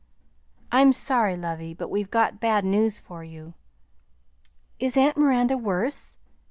"I'm sorry, lovey, but we've got bad news for you." "Is aunt Miranda worse?